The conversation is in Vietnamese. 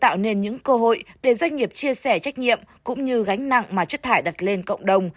tạo nên những cơ hội để doanh nghiệp chia sẻ trách nhiệm cũng như gánh nặng mà chất thải đặt lên cộng đồng